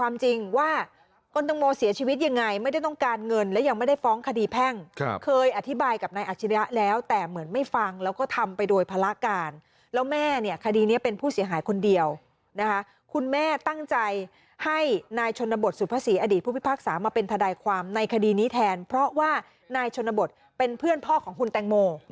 มาเป็นทดายความในคดีนี้แทนเพราะว่านายชนบทเป็นเพื่อนพ่อของคุณแตงโม